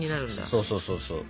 そうそうそうそう。